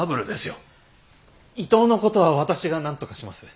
伊藤のことは私がなんとかします。